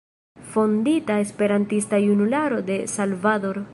Fondita Esperantista Junularo de Salvador.